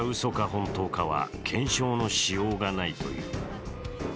本当かは検証のしようがないという。